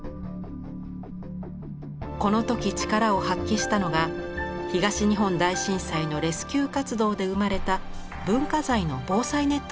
この時力を発揮したのが東日本大震災のレスキュー活動で生まれた文化財の防災ネットワークです。